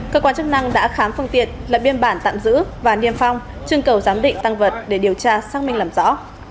cơ quan chức năng đã khám phương tiện lập biên bản tạm giữ và niêm phong chương cầu giám định tăng vật để điều tra xác minh làm rõ